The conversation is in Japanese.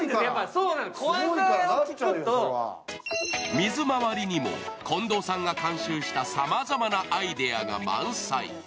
水まわりにも近藤さんが監修したさまざまなアイデアが満載。